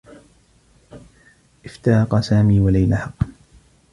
افترقا سامي و ليلى حقّا.